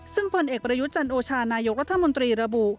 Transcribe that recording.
ซึ่งผลเอกประยุทธ์จันโอชานายกรัฐมนตรีระบุ